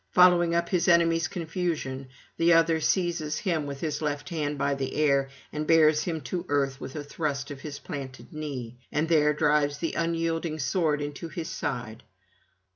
Following up his enemy's confusion, the other seizes him with his left hand by the hair, and bears him to earth with a thrust of his planted knee, and there drives the unyielding sword into his side.